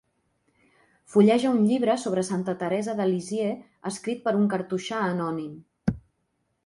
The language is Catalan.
Fulleja un llibre sobre santa Teresa de Lisieux escrit per un cartoixà anònim.